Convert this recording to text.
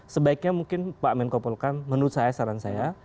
sebaiknya mungkin pak menko polkam menurut saya saran saya